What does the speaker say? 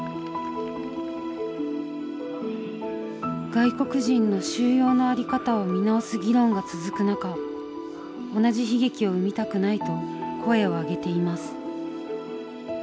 外国人の収容の在り方を見直す議論が続く中同じ悲劇を生みたくないと声を上げています。